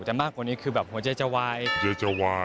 แต่มากกว่านี้คือแบบหัวใจจะไหว